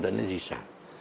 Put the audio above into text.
đã đến di sản